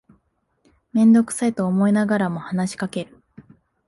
めんどくさいと思いながらも話しかける